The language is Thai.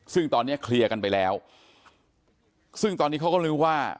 ซึ่งตอนนี้เคลียร์กันไปแล้วซึ่งตอนนี้เขาก็รู้ว่า